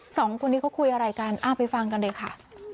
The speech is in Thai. สองคนนี้เขาคุยอะไรกันไปฟังกันเลยค่ะ